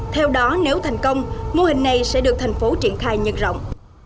theo đó nếu thành công mô hình này sẽ được thành phố triển khai nhân rộng